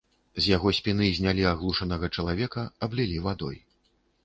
З яго спіны знялі аглушанага чалавека, аблілі вадой.